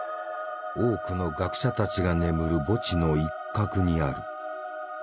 多くの学者たちが眠る墓地の一角にある。